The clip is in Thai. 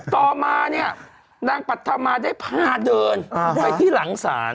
ต่อมาเนี่ยนางปัธมาได้พาเดินไปที่หลังศาล